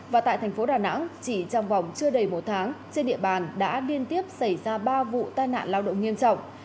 và tại thành phố đà nẵng chỉ trong vòng chưa đầy một tháng trên địa bàn đã liên tiếp xảy ra ba vụ tai nạn lao động nghiêm trọng